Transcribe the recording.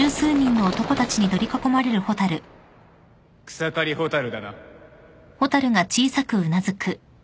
草刈蛍だな？